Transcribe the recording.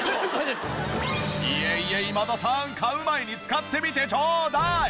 いえいえ今田さん買う前に使ってみてちょうだい！